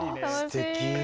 すてき。